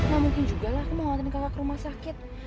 nah mungkin juga lah aku mengawalin kakak ke rumah sakit